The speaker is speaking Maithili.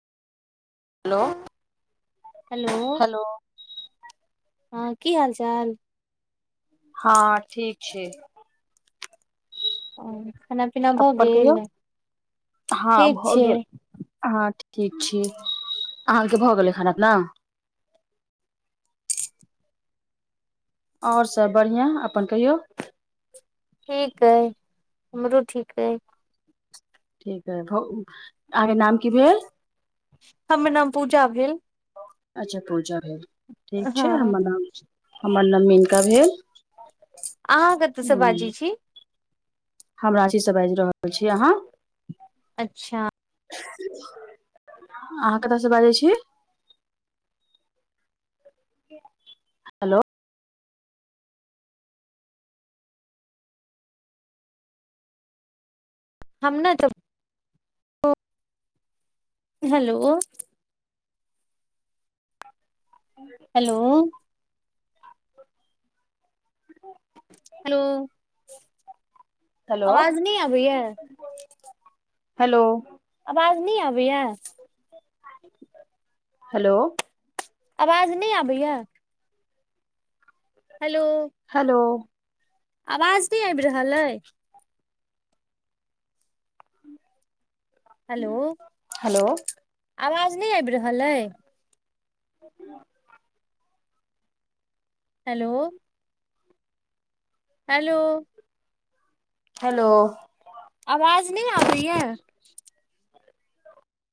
हेलो हेलो हँ की हाल चाल? हँ ठीक छै। और अपन कहियौ हँ ठीक भऽ छै गेल हँ ठीक। ठीक छी अहाँके भऽ गेलै खाना पीना? और सब बढ़िआँ अपन कहियौ। ठीक अइ हमरो ठीक अइ। ठीक कि अहाँके नाम की भेल? हमर नाम पूजा भेल। अच्छा पूजा भेल ठीक हँ छै, हमर नाम हमर नाम मेनका भेल। अहाँ कतऽसँ बाजै छी? हम राचीसँ बाजि रहल छी अहाँ? अच्छा अहाँ कतऽस बाजै छी हेलो हम ने तब हेलो [unintelligible] हेलो।। हेलो हेलो आवाज नहि आबैया हेलो आवाज नहि आबैया? हेलो आवाज नहि आबैया? हेलो, ततय हेलो बात बात आवाज नहि आबि रहल अइ? हेलो, हेलो आवाज नहि आबि रहल अइ ओ पुण्य [unintelligible] हेलो हेलो हेलो आवाज नहि आबैयै